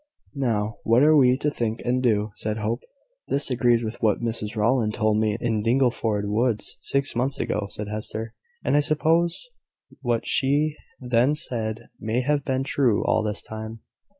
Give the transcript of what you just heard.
"Now, what are we to think and do?" said Hope. "This agrees with what Mrs Rowland told me in Dingleford woods, six months ago," said Hester; "and I suppose what she then said may have been true all this time."